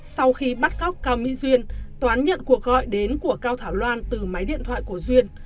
sau khi bắt cóc cao mỹ duyên toán nhận cuộc gọi đến của cao thảo loan từ máy điện thoại của duyên